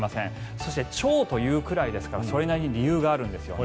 そして、超というくらいですからそれなりに理由があるんですよね。